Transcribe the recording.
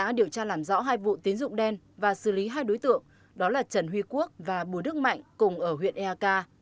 công an huyện eak đã làm rõ hai vụ tín dụng đen và xử lý hai đối tượng đó là trần huy quốc và bùa đức mạnh cùng ở huyện eak